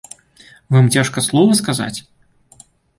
Вам цяжка слова сказаць?